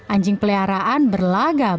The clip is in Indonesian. anjing peliharaan berlaga bangkai